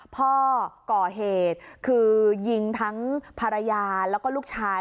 พ่อก่อเหตุคือยิงทั้งภรรยาแล้วก็ลูกชาย